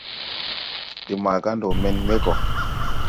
De maga ndɔ men me gɔ.